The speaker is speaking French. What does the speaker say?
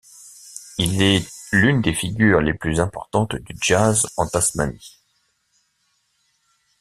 Il est l'une des figures les plus importantes du jazz en Tasmanie.